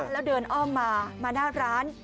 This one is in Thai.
แล้วเดินอ้อมมามาหน้าร้าน